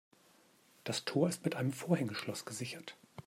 Das Tor ist mit einem Vorhängeschloss gesichert.